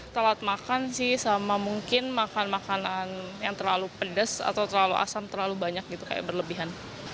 telat makan sih sama mungkin makan makanan yang terlalu pedes atau terlalu asam terlalu banyak gitu kayak berlebihan